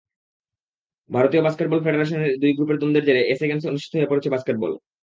ভারতীয় বাস্কেটবল ফেডারেশনের দুই গ্রুপের দ্বন্দ্বের জেরে এসএ গেমসে অনিশ্চিত হয়ে পড়েছে বাস্কেটবল।